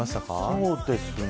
そうですね。